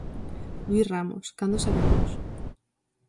Luís Ramos, cando o saberemos?